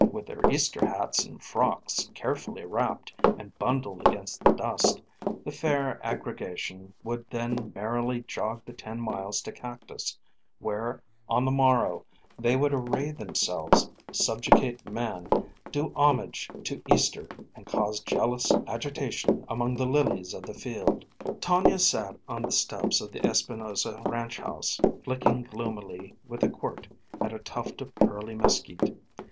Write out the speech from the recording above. With their Easter hats and frocks carefully wrapped and bundled against the dust, the fair aggregation would then merrily jog the ten miles to Cactus, where on the morrow they would array themselves, subjugate man, do homage to Easter, and cause jealous agitation among the lilies of the field. Tonia sat on the steps of the Espinosa ranch house flicking gloomily with a quirt at a tuft of curly mesquite.